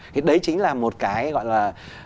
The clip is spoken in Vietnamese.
thì đấy chính là một cái gọi là